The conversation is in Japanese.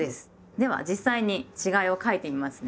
では実際に違いを書いてみますね。